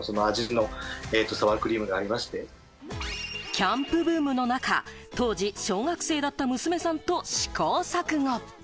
キャンプブームの中、当時小学生だった娘さんと試行錯誤。